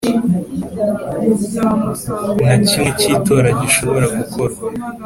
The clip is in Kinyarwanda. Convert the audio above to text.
Na kimwe cy’itora gishobora gukorwa.